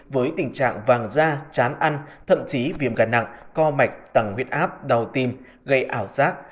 với tình trạng vàng da chán ăn thậm chí viêm gan nặng co mạch tăng huyết áp đau tim gây ảo giác